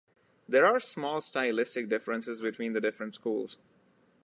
There are small stylistic differences between the different schools.